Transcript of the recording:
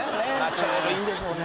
ちょうどいいんでしょうね